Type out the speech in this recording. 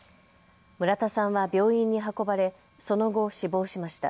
村田さんは病院に運ばれその後、死亡しました。